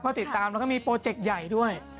ก็ติดตามแล้วก็มีโปรเจกต์ใหญ่ด้วย